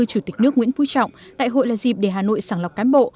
chủ tịch nước nguyễn phú trọng đại hội là dịp để hà nội sẵn lọc cán bộ